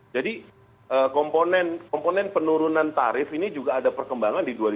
jadi komponen penurunan tarif ini juga ada perkembangan di dua ribu satu